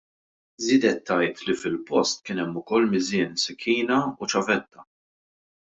Żiedet tgħid li fil-post kien hemm ukoll miżien, sikkina u ċavetta.